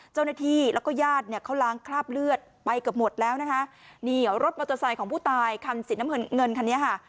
เจ้าหน้าที่แล้วก็ญาติเนี่ยเขาล้างคราบเลือดไปเกือบหมดแล้วนะคะนี่รถมอเตอร์ไซค์ของผู้ตายคันสีน้ำเงินเงินคันนี้ค่ะ